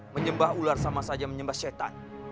menyembah ular sama saja menyembah setan